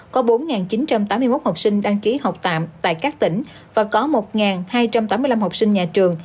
có bốn chín trăm tám mươi một học sinh đăng ký học tạm tại các tỉnh và có một hai trăm tám mươi năm học sinh nhà trường